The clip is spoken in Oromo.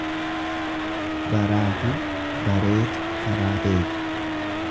Baraafi bareetu karaa beeka.